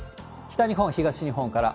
北日本、東日本から。